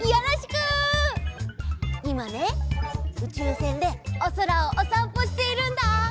いまねうちゅうせんでおそらをおさんぽしているんだ。